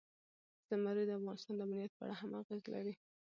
زمرد د افغانستان د امنیت په اړه هم اغېز لري.